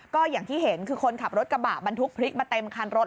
ก็อย่างที่เห็นคือคนขับรถกระบะบรรทุกพริกมาเต็มคันรถ